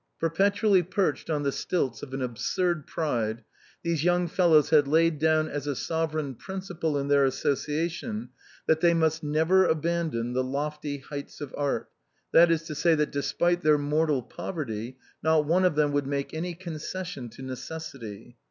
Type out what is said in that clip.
Perpetually perched on the stilts of an absurd pride, these young fellows had laid down as a sovereign prin ciple in their association, that they must never abandon the lofty heights of art; that is to say, that, despite their mortal poverty, not one of them would make any concession to necessity.